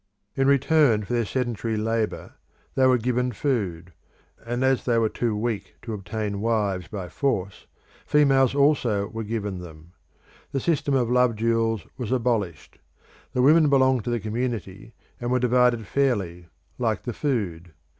In return for their sedentary labour, they were given food; and as they were too weak to obtain wives by force, females also were given them; the system of love duels was abolished; the women belonged to the community, and were divided fairly, like the food.